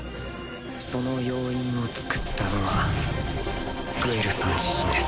その要因を作ったのはグエルさん自身です。